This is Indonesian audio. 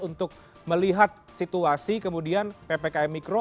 untuk melihat situasi kemudian ppkm mikro